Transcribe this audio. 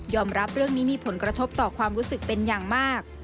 รับเรื่องนี้มีผลกระทบต่อความรู้สึกเป็นอย่างมาก